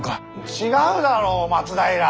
違うだろ松平！